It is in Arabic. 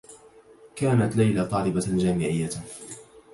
كانت ليلى طالبة جامعيّة.